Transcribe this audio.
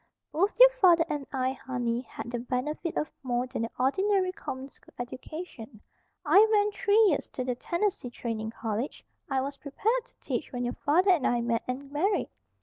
"Both your father and I, honey, had the benefit of more than the ordinary common school education. I went three years to the Tennessee Training College; I was prepared to teach when your father and I met and married.